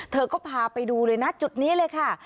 เธอก็พาไปดูเลยนะจุดนี้เลยค่ะ